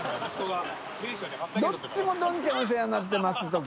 匹辰舛「どんちゃんがお世話になってます」とか。